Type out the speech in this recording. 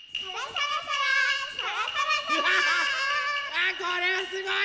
あっこれはすごい！